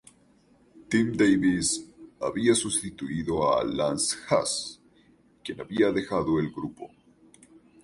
Tim Davis había sustituido a Lance Haas, quien había dejado el grupo.